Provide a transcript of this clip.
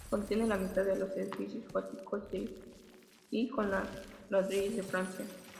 Contiene la mitad de los edificios góticos de y con ladrillos de Francia.